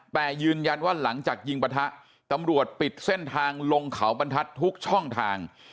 แต่ยืนยันว่าหลังจากยิงปะทะตำรวจปิดเส้นทางลงเขาบรรทัศน์ทุกช่องทาง